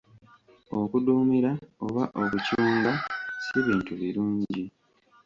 Okuduumira oba okucunga si bintu birungi.